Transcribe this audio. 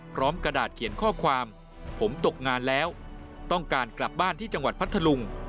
กระดาษเขียนข้อความผมตกงานแล้วต้องการกลับบ้านที่จังหวัดพัทธลุง